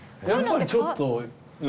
やっぱりちょっと。